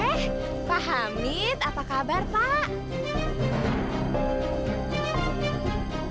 eh pak hamid apa kabar pak